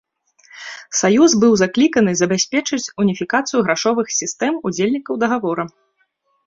Саюз быў закліканы забяспечыць уніфікацыю грашовых сістэм удзельнікаў дагавора.